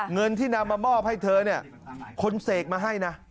เงินที่นำมามอบให้เธอเนี่ยคนเสกมาให้นะ